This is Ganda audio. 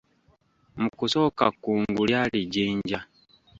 Mu kusooka kkungu lyali Jjinja.